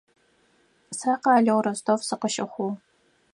Сэ къалэу Ростов сыкъыщыхъугъ.